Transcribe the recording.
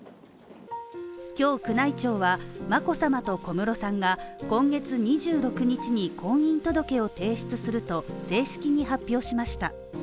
今日宮内庁は眞子さまと小室さんが今月２６日に婚姻届を提出すると正式に発表しました。